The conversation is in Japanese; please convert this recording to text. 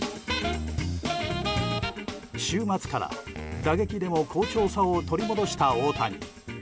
週末から打撃でも好調さを取り戻した大谷。